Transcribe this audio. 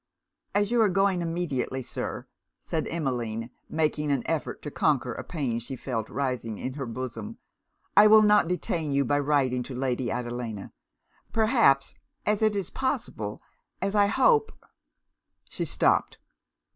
'As you are going immediately, Sir,' said Emmeline (making an effort to conquer a pain she felt rising in her bosom) 'I will not detain you by writing to Lady Adelina. Perhaps as it is possible as I hope' She stopped.